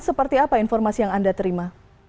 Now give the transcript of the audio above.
seperti apa informasi yang anda terima